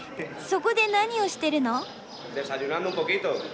そこで何をしてるの？